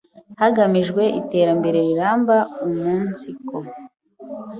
hagamijwe iterambere riramba umunsiko